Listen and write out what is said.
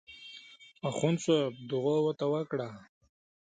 اخندصاحب دعا ورته وکړه.